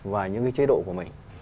và những cái chế độ của mình